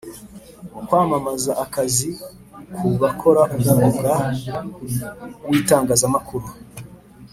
mu kwamamaza akazi ku bakora umwuga wa witangaza makuru